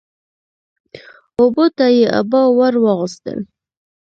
اوبو ته يې عبا ور واغوستل